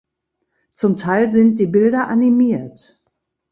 Zum Teil sind die Bilder animiert.